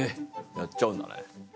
やっちゃうんだね。